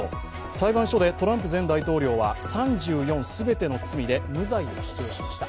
裁判所でトランプ前大統領は３４全ての罪で無罪を主張しました。